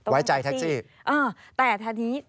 ไว้ใจแท็กซี่